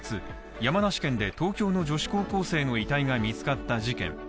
山梨県で東京の女子高校生の遺体が見つかった事件